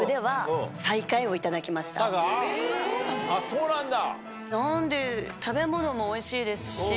そうなんだ。